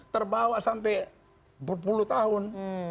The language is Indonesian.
terbawa sampai sepuluh tahun